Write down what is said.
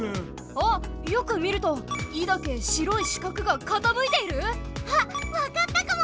あっよく見ると「イ」だけ白い四角がかたむいている⁉あっわかったかも！